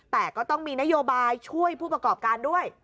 แต่ก็ต้องมีนโยบายช่วยผู้ประกอบการด้วย